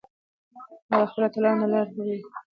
هغه د خپلو اتلانو له لارې خبرې کوي.